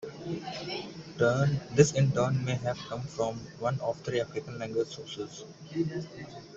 This in turn may have come from one of three African language sources.